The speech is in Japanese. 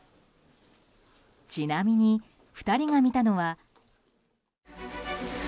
ちなみに２人が見たのは。